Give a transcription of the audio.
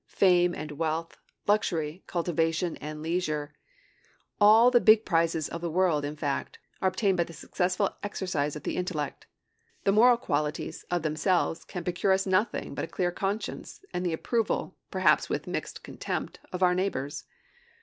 Fame and wealth, luxury, cultivation, and leisure, all the big prizes of the world, in fact, are obtained by the successful exercise of the intellect. The moral qualities, of themselves, can procure us nothing but a clear conscience, and the approval, perhaps mixed with contempt, of our neighbors.